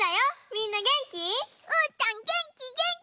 みんなげんき？